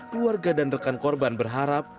keluarga dan rekan korban berharap